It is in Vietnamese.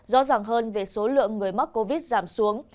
rõ ràng hơn về số lượng người mắc covid giảm xuống